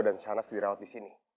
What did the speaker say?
dan sanas di rawat di sini